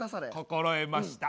心得ました。